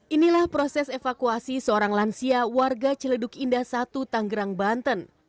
inilah proses evakuasi seorang lansia warga celeduk indah satu tanggerang banten